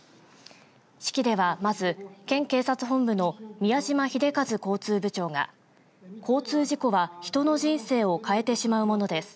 式ではまず県警察本部の宮島秀和交通部長が交通事故は人の人生を変えてしまうものです。